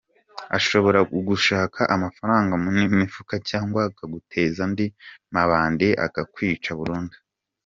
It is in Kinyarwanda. Ashobora kugusaka amafaranga mu mifuka cyangwa akaguteza andi mabandi akakwica burundu.